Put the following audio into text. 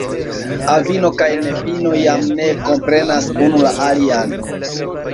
Avino kaj nepino jam ne komprenas unu la alian.